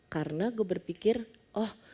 karena gue berpikir oh